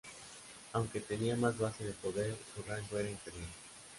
Aunque tenía más base de poder, su rango era inferior.